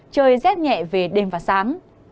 trời rét nhẹ về đêm và sáng